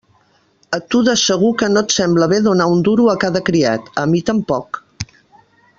A tu de segur que no et sembla bé donar un duro a cada criat; a mi tampoc.